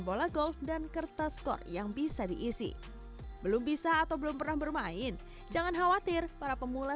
bola golf dan kertas skor yang bisa diisi belum bisa atau belum pernah bermain jangan khawatir para pemula